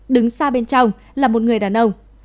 đứng xa bên trong là một người đàn ông